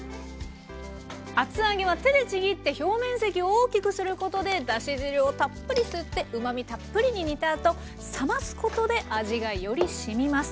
厚揚げは手でちぎって表面積を大きくすることでだし汁をたっぷり吸ってうまみたっぷりに煮たあと冷ますことで味がよりしみます。